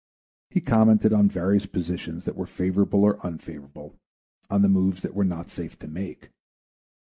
He commented on various positions that were favorable or unfavorable, on moves that were not safe to make.